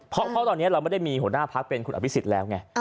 เพราะตอนนี้เราไม่ได้มีหัวหน้าพักเป็นคุณอภิษฎแล้วไง